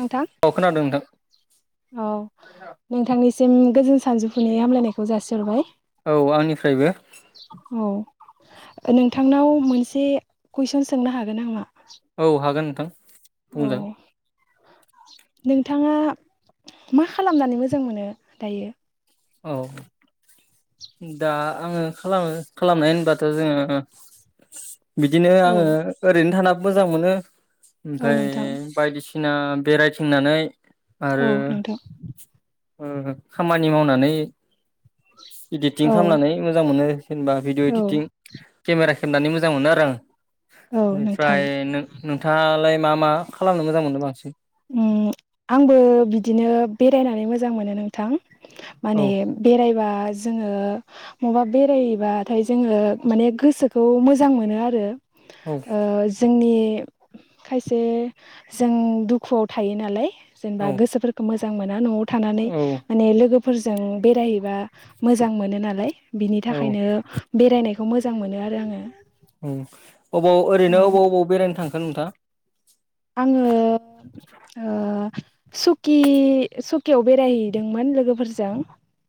नोंथां औ खोनादों नोंथां औ नोंथांनिसिम गोजोन सानजौफुनि हामलायनायखौ जासिहरबाय औ आंनिफ्रायबो। औ नोंथांनाव मोनसे कुइसन सोंनो हागोन नामा? औ हागोन नोंथां औ बुंजागोन। नोंथाङा मा खालामनानै मोजां मोनो दायो? औ। दा आङो खालामो खालामनाय होनबाथ' जोङो बिदिनो औ आङो ओरैनो थाना मोजां मोनो औ ओमफ्राय नोंथां बायदिसि ना बेरायथिंनानै आरो औ नोंथां खामानि मावनानै इदिटटिं औ खालामनानै मोजां मोनो जेनेबा भिडिअ' औ इदिटटिं केमेरा खेबनानै मोजां मोनो आरो आं औ नोंथां बेनिफ्राय नोंथाङालाय मा -मा खालामनो मोजां मोनो बांसिन? आंबो बिदिनो बेरायनानै मोजां मोनो नोंथां। औ माने बेरायबा जोङो माबा बेरायबाथाय जोङो माने गोसोखौ मोजां मोनो आरो औ जोंनि खायसे जों दुखु थायो नालाय जेनेबा औ गोसोफोरखौ मोजां मोना न'आव थानानै औ माने लोगो [unintelligible] बेरायहैबा मोजां मोनो नालाय बिनि औ थाखायनो बेरायनाय [unintelligible] मोजां मोनो आरो आङो। अबाव ओरैनो अबाव अबाव बेरायनो थांखो नोंथाङा? आङो ओ सुकि -सुकियाव बेरायहैदोंमोन लोगोफोरजों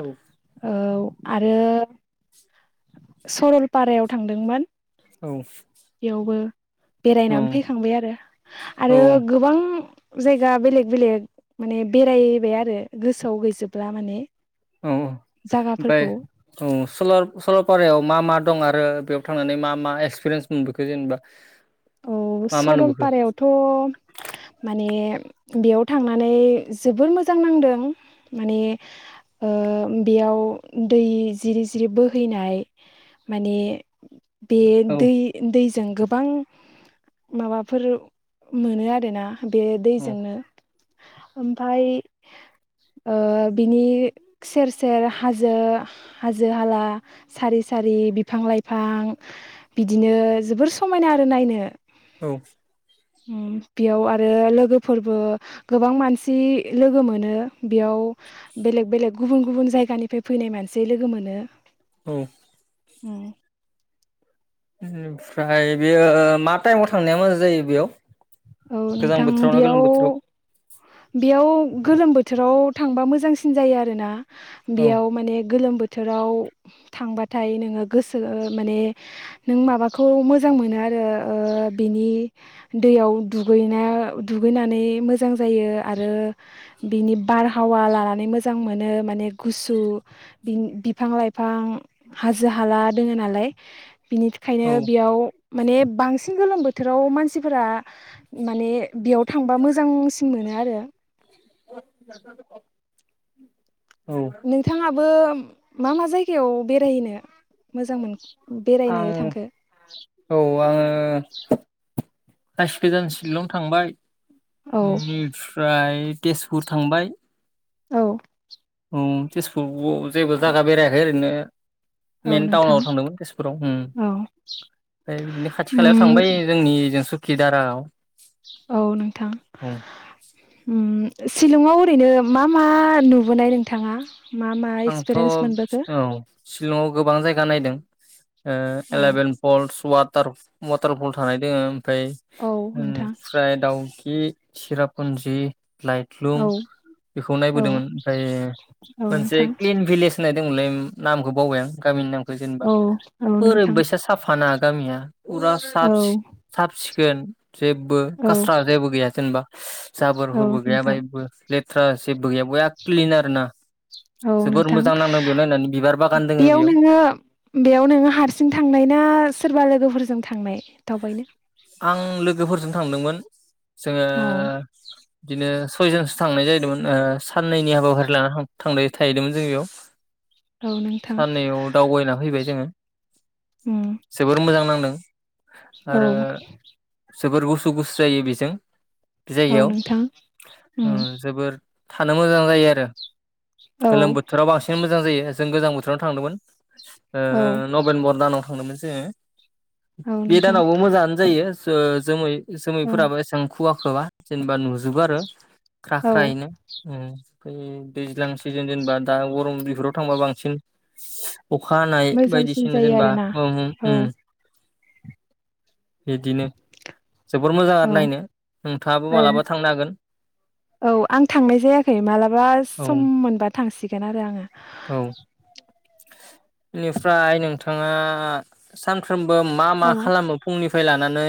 औ। औ आरो सरलपारायाव थांदोंमोन औ। बेयावबो औ बेरायनानै फैखांबाय आरो औ आरो गोबां जायगा बेलेग -बेलेग माने बेरायबाय आरो गोसोआव गैजोबला माने औ औ ओमफ्राय जागाफोरखौ औ सरलपारायाव मा -मा दं आरो बेयाव थांनानै मा- मा एक्सपिरियेन्स मोनबोखो जेनेबा औ मा मा नुबोखो सरलपारायावथ' माने बेयाव थांनानै जोबोर मोजां नांदों। माने बेयाव दै जिरि- जिरि बोहैनाय माने बे औ दै- दैजों गोबां माबाफोर मोनो आरोना बे औ दैजोंनो। ओमफ्राय ओबिनि सेर- सेर हाजो हाजो-हाला सारि सारि बिफां-लाइफां बिदिनो जोबोर समायना आरो नायनो। औ। बेयाव आरो लोगोफोरबो गोबां मानसि लोगो मोनो। बेयाव बेलेग- बेलेग गुबुन गुबुन जायगानिफ्राय फैनाय मानसि लोगो मोनो। औ। उम। ओमफ्राय बेयो मा टाइमाव थांनाया मोजां जायो बेयाव? औ गोजां नोंथां बोथोराव ना बेयाव गोलोम बोथोराव बेयाव गोलोम बोथोराव थांबा मोजांसिन जायो आरोना औ बेयाव माने गोलोम बो बोथोराव थांबाथाय नोङो गोसो ओ माने नों माबाखौ मोजां मोनो आ ओ ओ बिनि दैयाव दुगैनो दुगैनानै मोजां जायो आरो बिनि बारहावा लानानै मोजां मोनो माने गुसु बि बिफां-लाइफां हाजो-हाला दोङो नालाय बिनि थाखायनो औ बेयाव माने बांसिन गोलोम बोथोराव मानसिफोरा माने बेयाव थांबा मोजांसिन मोनो आरो [inaudible] नोंथाङाबो मा मा जायगायाव बेरायहैनो मोजां मोनो? आं औ आंङो फास गोजान शिलं थांबाय औ ओमफ्राय तेजपुर थांबाय औ औ तेजपुरखौ जेबो जायगा बेरायाखै ओरैनो औ मेन नोंथां टाउनाव थांदोंमोन तेजपुराव उम औ ओमफाय बिदिनो खाथि खालायाव उम थांबाय जोंनि जों सुखि दारागाव औ नोंथां औ उम शिलंआव ओरैनो मा मा नुबोनाय नोंथाङा? मा मा आंथ' एक्सपिरियेन्स मोनबोखो औ शिलङाव गोबां जाय गा नायदों औ एलेभेन फ'लस वाटार वाटार फ'ल थानाय दोंङो फ्राय औ नोंथां ओमफ्राय दावखि सिरापुन्जि लाइटलुम औ बेखौ औ नायबोदोंमोन ओमफ्राय औ मोनसे नोंथां क्लिन भिलेज होननायदोंमोनलै नामखौ बावबाय आं गामिनि नाम जेनेबा औ औ नोंथां ओरैबायसा साफा ना गामिया फुरा औ साब सिख साब सिखोन जेबो औ कास्रा जेबो गैया जेनेबा जाबोर औ फोरबो गैया नोंथां बाहायबो लेथ्रा जेबो गैया बया क्लिन आरोना औ जोबोर नोंथां मोजां नांदों बेव नायनानै बिबार बागान दोङो बेयाव नोंङो बेयाव नोंङो हारसिं थांनाय ना सोरबा लोगोफोरजों थांनाय? दावबायनो आं लोगोफोरजों थांदोंमोन। जोंङो औ बिदिनो सयजनसो थांनाय जाहैदोंमोन ओ साननैनि हाबाफारि लाना थांनाय थाहैदोंमोन जों बेयाव। औ नोंथां साननैयाव दावबायना फैबाय जोंङो। उम जोबोर मोजां नांदों। औ आरो जोबोर गुसु गुसु जायो बेजों बे औ जायगायाव नोंथां ओ उम जोबोर थानो मोजां जायो आरो औ गोलोम बोथोराव बांसिन मोजां जायो जों गोजां बोथोरावनो थांदोंमोन। ओ औ नभेम्बर दानाव थांदोंमोन जोंङो औ बे नोंथां दानावबो मोजाङानो जायो। ओ जोमै ओं जोमैफोराबो एसेबां खुवाखोबा जेनेबा नुजो जोबो आरो औ ख्रा-ख्रा यैनो उम दैज्लां सिजोन जेनेबा दा गरम बेफोराव थांबा बांसिन [unintelligible] अखा हानाय मोजांसिन बायदिसिना जायो जेनबा आरोना औ उम उम औ उम बिदिनो जोबोर मोजां आरो औ नायनो नोंथाङाबो ओं मालाबा थांनो हागोन। औ आं थांनाय जायाखै मालाबा औ सम मोनबा थांसिगोन आरो आंङो। औ बेनिफ्राय नोंथाङा सान सानफ्रोमबो मा मा आङो खालामो फुंनिफ्राय लानानै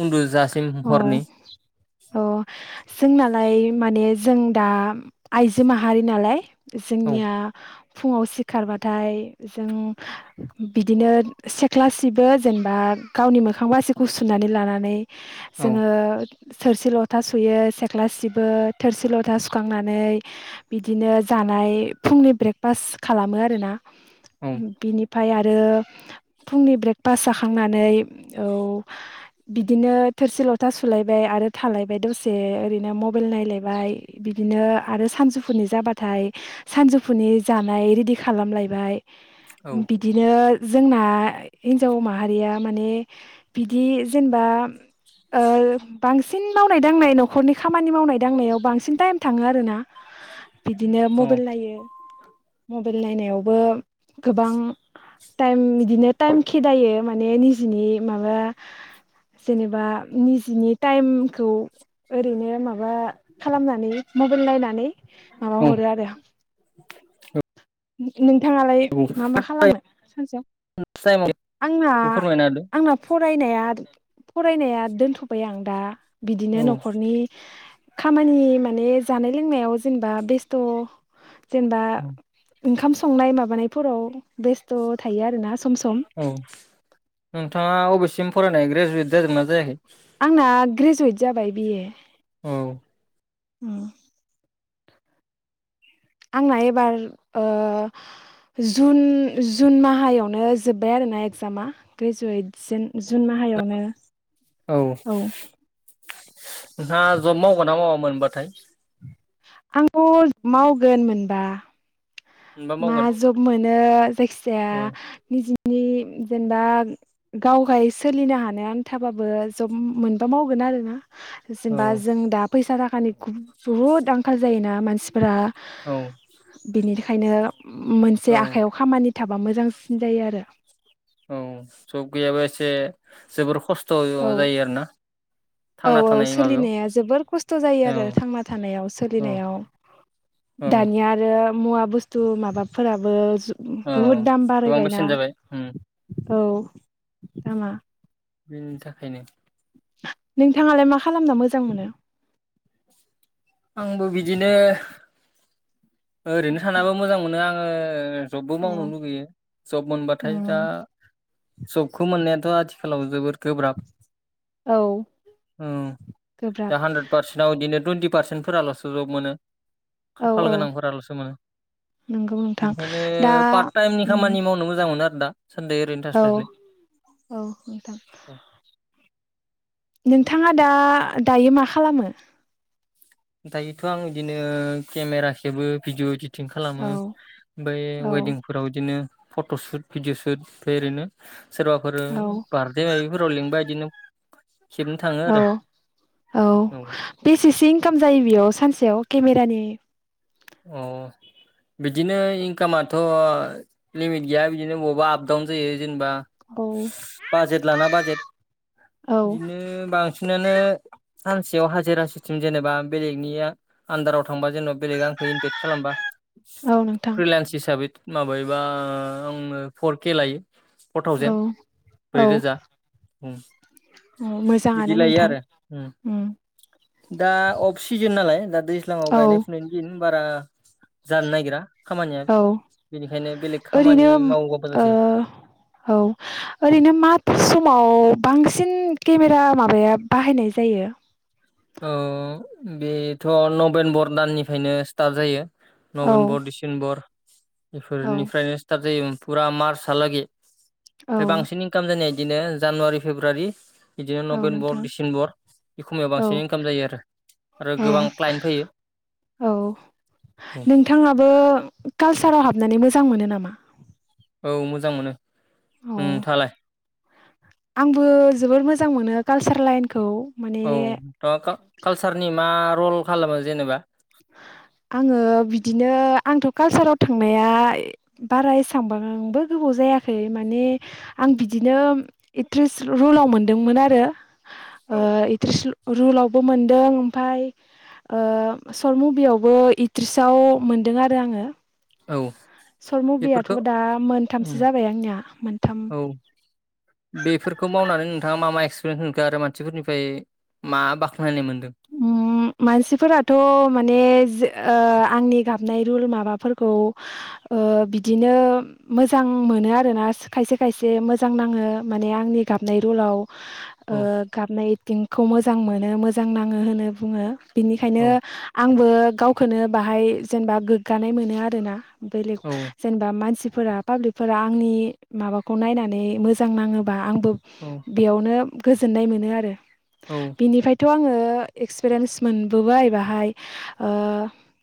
उन्दुजासिम औ हरनि औ जोंनालाय माने जों दा आइजो माहारि नालाय औ जोंनिया फुङाव सिखारबाथाय जों बिदिनो सेख्लासिबो जेनबा गावनि मोखां बासिखौ सुनानै लानानै औ जोङो थोरसि लथा सुयो सेख्ला सिबो थोरसि लथा सुखांनानै बिदिनो जा नाय फुंनि ब्रेकफाच खालामो आरोना औ बिनि ओमफाय आरो फुंनि ब्रेकफास्ट जाखांनानै औ बिदिनो थोरसि लथा सुलायबाय आरो थालायबाय दसे ओरैनो मबाइल नायलायबाय बिदिनो आरो सानजौफुनि जाबाथाय सानजौफुनि जानाय रेडि खालामलायबाय औ बिदिनो जोंना हिन्जाव माहारिया माने बिदि जेनबा ओ बांसिन मावनाय दांनाय नखरनि खामानि मावनाय दांनायाव बांसिन टाइम थाङो आरो ना बिदिनो मबेल औ नायो मबेल नायनायावबो गोबां टाइम बिदिनो टाइम खेेदायो माने निनि माबा जेनेबा निजिनि टाइमखौ ओरैनो माबा खालामनानै मबाइल नायनानै माबा औ हरो आरो नोंथाङालाय मा मा फार्स्ट खालामो सानसेयाव टाइमाव आंना बेखौ फोरमायना होदो आंना फरायनाया फरायनाया दोनथबाय आं दा बिदिनो औ नखरनि खामानि माने जानाय लोंनायाव जेनबा बेस्थ जेनबा औ ओंखाम संनाय माबानायफोराव बेस्थ थायो आरोना सम सम औ नोंथाङा अबेसिम फरायनाय ग्रेजुवेट जादोंना जायाखै आंना ग्रेजुवेट जाबाय बि ए औ उम आंना एबार ओ जुन जुन माहायावनो जोब्बाय आरोना एग्जामा ग्रेजुवेट जुन माह साहायावनो औ नोंहा जब मावगोन ना मावा मोनबाथाय आंथ मावगोन मोनबा मोनबा मा मावगोन जब मोनो जायखिजाया औ निजिनि जेनबा गावगाय सोलिनो हानाय आन्थाबाबो जब मोनबा मावगोन आरोना औ जेनेबा जों दा फैसा थाखानि बुहुद आंखाल जायोना मानसि ब्रा औ बिनिखायनो मोनसे औ आखायाव खामानि थाबा मोजांसिन जायो आरो औ जब गैयाबा एसे जोबोर खस्थ जायो औ आरोना औ थांना औ थानाय माबायाव सोलिनाया जोबोर खस्थ जायो औ आरो थांना थानायाव औ सोलिनायाव औ दानिया आरो मुवा बुस्थु माबाफोराबो औ बुहुद दाम गोबां बारायबायना बेसेन जाबाय उम औ दामा बेनि थाखायनो नोंथाङालाय मा खालामना मोजां मोनो आंबो बिदिनो ओरैनो थानाबो मोजां मोनो आङोओ जबबो मावनो अ लुगैयो जब मोनबाथाय दा उम जबखौ मोननाया थ आथिखालाव जोबोर गोब्रा औ औ दा गोब्राब हानद्रेड पार्सेनाव इदिनो टुइनटि पारसेन्टफोरालसो जब मोनो औ खाफाल औ गोनांफोरालसो मोनो नंगौ नोंथां बेनिखायनो दा पार्ट टाइमनि उम खामानि मावनो मोजां मोनो आरो ना औ औ नोंथां नोंथाङा दा दायो मा खालामो दायोथ आं बिदिनो केमेरा खेबो भिदिअ इदि फिटिं खालामो औ ओमफ्राय औ वेडिंफोराव बिदिनो। फट सुट भिडिअ सुट ओमफ्राय ओरैनो सोरबाफोर औ बारदे माबाफोराव लिंबा बिदिनो। खेबनो थाङो औ आरो औ बेसेसो इनखाम। जायो बेयाव सानसेयाव केमेरानि। अ। बिदिनो इनकामाथ लिमिट गैया बिदिनो बबावबा आप डाउन जायो। जेनेबा औ बाजेट लाना बाजेट। औ बिदिनो बांसिनानो। सानसेयाव हाजिरा सिसथिम जेनेबा बेलेगनि आन्दाराव थांबा जेनेबा बेलेग आंखौ इनभाइट खालामबा। औ नोंथां फ्रिलेन्स हिसाबै माबायोबा आंनो फर के लायो। फर औ थावजेेन ब्रैरोजा। मोजांङानो नोंथां। दा अफ सिजोन नालाय दा दैज्लांङाव औ गायनाय फुनायनि दिन बारा। जानो नागिरा खामानिया औ बेनिखायनो बेलेग ओरैनो खामानि मावोबा ओ मोजांसै। औ ओरैनो माथो समाव बांसिन। बांसिन केमेरा माबाया बाहायनाय जायो। औ बेथ नभेम्बर दाननिफ्रायनो स्टार्ट जायो। औ नभेम्बर डिसेम्बर औ बेफोरनिफ्रायनो स्टार्ट जायोमोन। फुरा मार्चहालागै औ ओमफ्राय बांसिन इनकाम जानाया बिदिनो जानुवारि फेब्रुवारि। बिदिनो औ नभेम्बर नोंथां डिसेम्बर बेसमायाव बांसिन। औ इनकाम जायो आरो आरो गोबां क्लाइन्ट फैयो। नोंथांङाबो कालसाराव हाबनानै मोजां मोनो नामा। औ मोजां मोनो औ नोंथांआलाय। आंबो जोबोर मोजां मोनो कालचार लाइनखौ। औ माने नोंथांआ कालसारनि मा रल खालामो जेनेबा। [inaudible] आंङो बिदिनो आंथ' कालसाराव थांनाया बारा एसेबांबो गोबाव। जायाखै माने आं बिदिनो एट्रेस रलाव मोनदोंमोन आरो। एक्ट्रेस रलावबो मोनदों ओमफाय। सर्ट मुभियावबो इक्ट्रेसाव मोनदों आरो आंङो। औ सर्ट मुभियाथ बेफोरखौ दा मोनथामसो जाबाय आंनिया मोनथाम। औ बेफोरखौ मावनानै नोंथांङा मा मा एक्सपिरियेन्स मोनखो आरो मानसिफोरनिफ्राय मा बाख्नायनाय मोन मानसिफोराथ माने। आंनि गाबनाय रल माबाफोरखौ बिदिनो मोजां मोनो। मोनो आरोना खायसे खायसे मोजां नांङो माने आंनि गाबनाय रलाव। औ गाबनाय एकटिंखौ मोजां मोनो मोजां नांङो होनना बुङो। बिनिखायनो औ आंबो गावखौनो एसे जेनेबा गोग्गानाय मोनो आरोना। बेलेग औ जेनेबा मानसिफोरा पाब्लिकफोरा आंनि माबाखौ नायनानै मोजां नाङोब्ला। आंबो औ बेयावनो गोजोननाय मोनो आरो औ बिनिफ्रायथ आंङो। एक्सपिरियेन्स मोनबोबाय एसे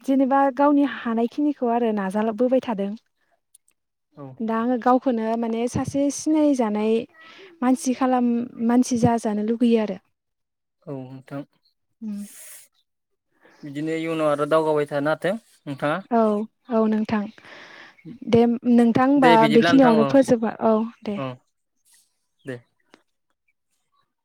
जेनेबा गावनि हानायखिनिखौ आरो। नाजा बोबाय थादों औ दा आंङो गावखौनो। गावखौनो माने सासे सिनायजानाय मानसि खालाम मानसि जाजानो लुगैयो आरो। [inaudible] औ नोंथां। बिदिनो इयुनाव आरो दावगाबाय थानो हाथों। नोंथाङा औ औ नोंथां दे। नोंथां दे होमबा बिदिब्ला नोंथां औ बेखिनियावनो फोजोबनोसै औ दे। दे।